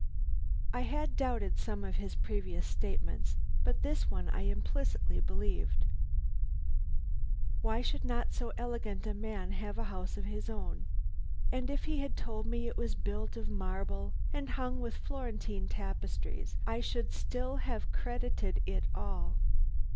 "I had doubted some of his previous statements, but this one I implicitly believed. Why should not so elegant a man have a house of his own; and if he had told me it was built of marble and hung with Florentine tapestries, I should still have credited it all.